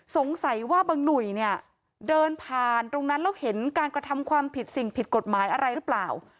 สงสัยว่าบางหนุ่ยเนี่ยเดินผ่านตรงนั้นแล้วเห็นการกระทำความผิดสิ่งผิดกฎหมายอะไรหรือเปล่า